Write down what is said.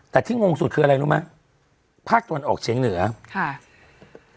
แต่ที่งงสุดคืออะไรรู้ไหมภาคตะวันออกเฉียงเหนือค่ะ